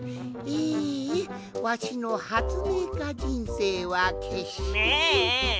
えわしのはつめいかじんせいはけっして。